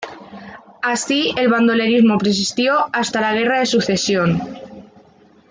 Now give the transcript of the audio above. Así el bandolerismo persistió hasta la Guerra de Sucesión.